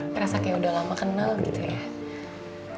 ngerasa kayak udah lama kenal gitu ya